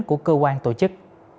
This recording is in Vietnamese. của cơ quan tổ chức